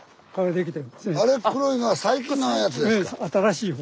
あれ黒いのは最近のやつですか？